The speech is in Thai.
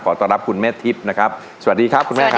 ต้อนรับคุณแม่ทิพย์นะครับสวัสดีครับคุณแม่ครับ